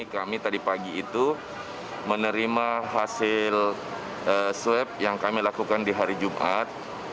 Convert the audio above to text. kami tadi pagi itu menerima hasil swab yang kami lakukan di hari jumat